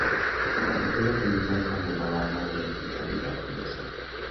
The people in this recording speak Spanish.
El juego termina cuando la barra de vitalidad llega a cero.